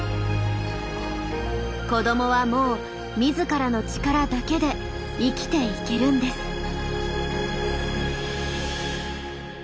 子どもはもう自らの力だけで生きていけるんです。